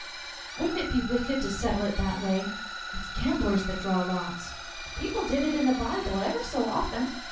"Wouldn't it be wicked to settle it that way?" "It's gamblers that draw lots." "People did it in the Bible ever so often."